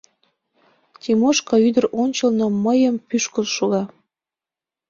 — Тимошка ӱдыр ончылно мыйым пӱшкыл шога.